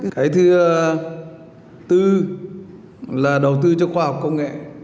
cái thứ tư là đầu tư cho khoa học công nghệ